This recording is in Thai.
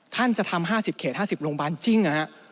ท่านจะทำ๕๐เขต๕๐โรงพยาบาลจริง